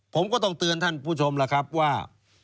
ผมก็ต้องเตือนท่านผู้ชมว่า